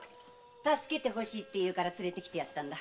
助けてほしいと言うから連れてきてやったんだ。